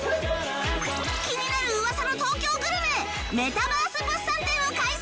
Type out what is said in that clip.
気になるウワサの東京グルメメタバース物産展を開催！